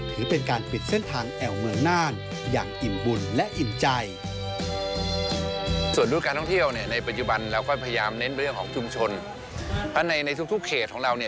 ถือเป็นการปิดเส้นทางแอวเมืองน่าน